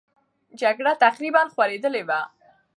جګړه تقریبا خورېدلې وه.